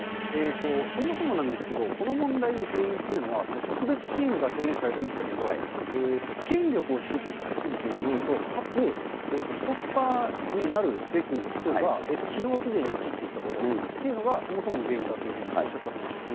そもそもなんですけれども、この問題の原因というのは、特別チームが提言されてましたけど、権力を集中させ過ぎていること、かつストッパーになるべく人が機能不全に陥っていたということが、そもそもの原因だというふうにおっしゃっていたと思うんですよ。